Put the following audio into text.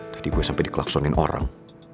tadi gue sampai di klaksonin orang